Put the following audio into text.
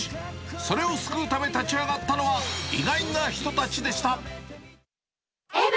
それを救うため立ち上がったのは、意外な人たちでした。